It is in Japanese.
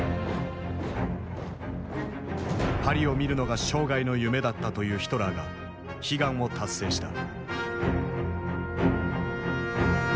「パリを見るのが生涯の夢だった」というヒトラーが悲願を達成した。